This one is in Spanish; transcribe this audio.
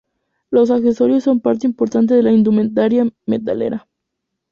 Los accesorios son parte importante de la indumentaria metalera.